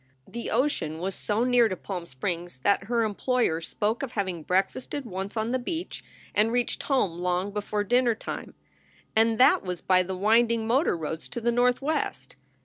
The ocean was so near to Palm Springs that her employer spoke of having breakfasted once on the beach and reached home long before dinner time. And that was by the winding motor roads to the Northwest.